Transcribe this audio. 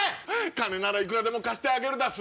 金ならいくらでも貸してあげるダス。